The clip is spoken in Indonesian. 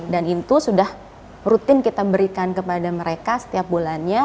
dan itu sudah rutin kita berikan kepada mereka setiap bulannya